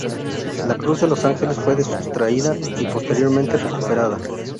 La Cruz de los Ángeles fue sustraída y posteriormente recuperada.